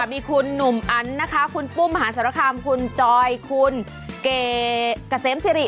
มีคุณหนุ่มอันนะคะคุณปุ้มมหาสารคามคุณจอยคุณเกษมสิริ